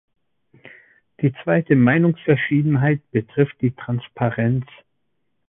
Die zweite Meinungsverschiedenheit betrifft die Transparenz.